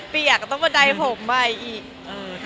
เปียกต้องมาใดผมมาอีก